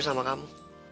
ada perut sama kamu